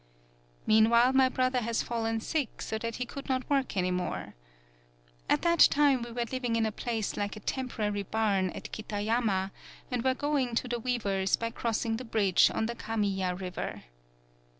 Meanwhile my brother has fallen sick so that he could not work any more. At that time we were living in a place like a temporary barn at Kitayama and were going to the weav er's by crossing the bridge on the Kam iya river.